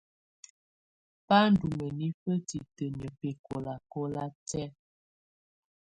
Bá ndù mǝnifǝ titǝniǝ́ bɛkɔlakɔla tɛ̀á.